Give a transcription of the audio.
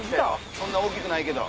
そんな大きくないけど。